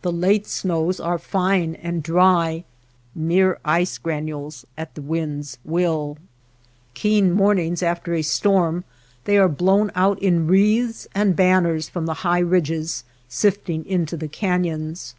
The late snows are fine and dry, mere ice granules at the wind's will. Keen mornings after 255 NURSLINGS OF THE SKY a storm they are blown out in wreaths and banners from the high ridges sifting into the canons.